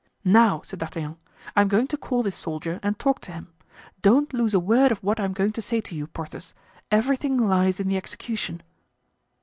"Now," said D'Artagnan, "I am going to call this soldier and talk to him. Don't lose a word of what I'm going to say to you, Porthos. Everything lies in the execution."